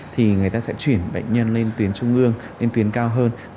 thì người ta sẽ chuyển bệnh nhân lên tuyến trung ương lên tuyến cao hơn